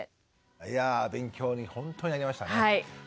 いやあ勉強に本当になりましたね。